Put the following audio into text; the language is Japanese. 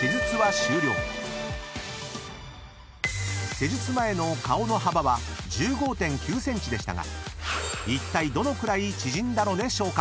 ［施術前の顔の幅は１５．９ｃｍでしたがいったいどのくらい縮んだのでしょうか？］